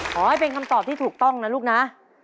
ขอให้เป็นคำตอบที่ถูกต้องนะลูกนะ